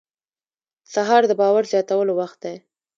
سهار د باور زیاتولو وخت دی.